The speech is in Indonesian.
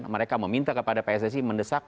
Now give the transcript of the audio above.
mereka meminta kepada pssi mendesak